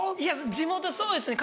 地元そうですね